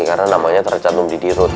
karena namanya tercatum didi ruth